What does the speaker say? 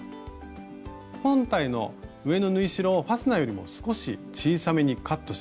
本体の上の縫い代をファスナーよりも少し小さめにカットします。